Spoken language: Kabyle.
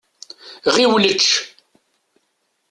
Ɣiwel ečč.